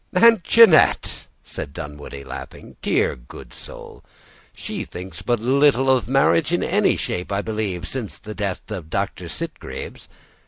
"Aunt Jeanette!" said Dunwoodie, laughing. "Dear, good soul, she thinks but little of marriage in any shape, I believe, since the death of Dr. Sitgreaves.